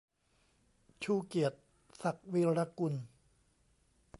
ชูเกียรติ ศักดิ์วีระกุล